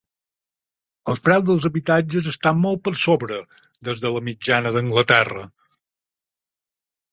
Els preus dels habitatges estan molt per sobre dels de la mitjana d'Anglaterra.